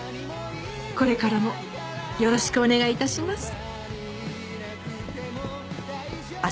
これからもよろしくお願い致します。